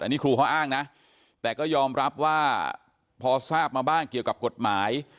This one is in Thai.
อันนี้ครูเขาอ้างนะแต่ก็ยอมรับว่าพอทราบมาบ้างเกี่ยวกับกฎหมาย